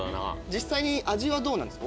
実際に味はどうなんですか？